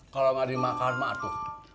kalo ga dimakan mah atuh